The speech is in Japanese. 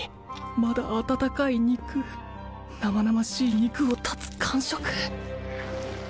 まだ温かい肉生々しい肉を断つ感触